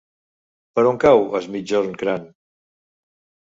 Per on cau Es Migjorn Gran?